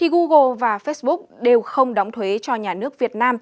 google và facebook đều không đóng thuế cho nhà nước